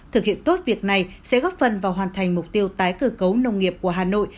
thực hiện tốt việc này sẽ góp phần vào hoàn thành mục tiêu tái cử cấu nông nghiệp của hà nội